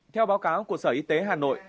theo báo cáo của sở y tế hà nội